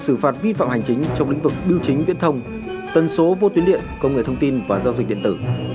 xúc phạm hành chính trong lĩnh vực biêu chính viễn thông tần số vô tuyến điện công nghệ thông tin và giao dịch điện tử